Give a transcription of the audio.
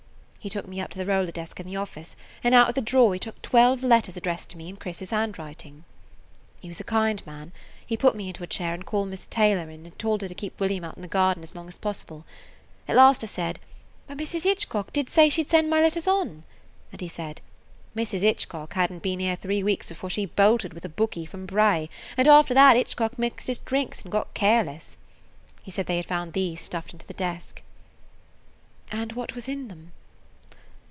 He took me up to the roller desk in the office, and out of the drawer he took twelve letters addressed to me in Chris's handwriting. "He was a kind man. He put me into a chair and called Miss Taylor in and told her to keep William out in the garden as long as possible. At last I said, 'But Mrs. Hitchcock did say she 'd send my letters on.' And he said, 'Mrs. Hitchcock hadn't been here three weeks before she bolted with a bookie from Bray, and after that Hitchcock mixed his drinks and [Page 109] got careless.' He said they had found these stuffed into the desk." "And what was in them?"